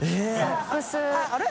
あれ？